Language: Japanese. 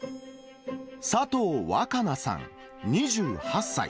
佐藤若菜さん２８歳。